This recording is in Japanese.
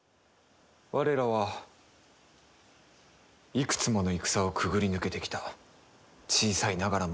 我らはいくつもの戦をくぐり抜けてきた小さいながらも固い固い一丸。